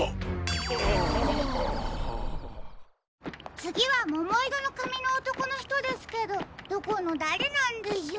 つぎはももいろのかみのおとこのひとですけどどこのだれなんでしょう？